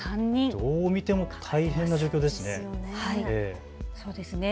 どう見ても大変な状況ですね。